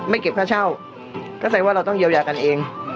เก็บค่าเช่าก็แสดงว่าเราต้องเยียวยากันเอง